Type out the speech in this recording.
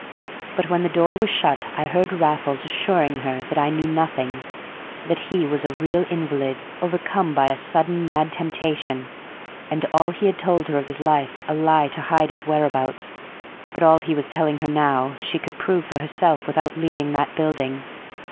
But when the door was shut I heard Raffles assuring her that I knew nothing, that he was a real invalid overcome by a sudden mad temptation, and all he had told her of his life a lie to hide his whereabouts, but all he was telling her now she could prove for herself without leaving that building.